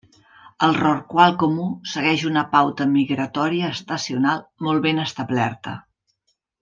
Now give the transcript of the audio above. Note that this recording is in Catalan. El rorqual comú segueix una pauta migratòria estacional molt ben establerta.